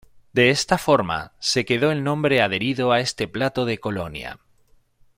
De esta forma se quedó el nombre adherido a este plato de Colonia.